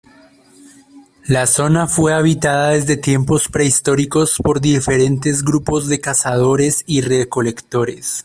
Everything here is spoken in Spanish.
La zona fue habitada desde tiempos prehistóricos por diferentes grupos de cazadores y recolectores.